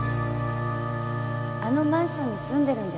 あのマンションに住んでるんです。